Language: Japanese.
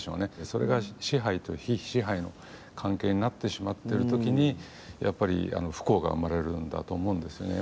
それが支配と被支配の関係になってしまってるときにやっぱり不幸が生まれるんだと思うんですよね。